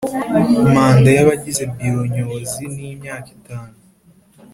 Manda y abagize Biro Nyobozi ni imyaka itanu